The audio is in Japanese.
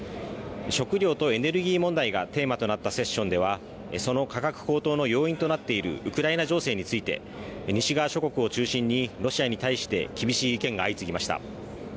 食糧とエネルギー問題がテーマとなったセッションではその価格高騰の要因となっているウクライナ情勢について西側諸国を中心にロシアに対して厳しい意見が相次ぎました。